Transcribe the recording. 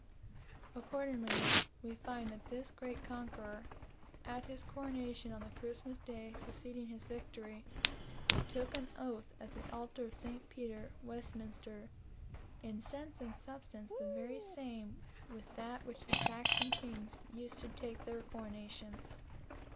Accordingly, we find that this great conqueror, at his coronation on the Christmas day succeeding his victory, took an oath at the altar of St. Peter, Westminster, in sense and substance the very same with that which the Saxon kings used to take at their coronations.